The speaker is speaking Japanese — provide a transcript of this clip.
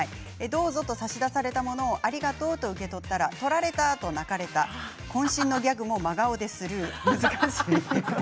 どうぞと差し出されたものをありがとうと受け取ったら取られたと泣かれたこん身のギャグも真顔でスルー難しい。